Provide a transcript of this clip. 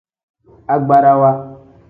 Agbarawa.